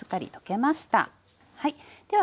はい。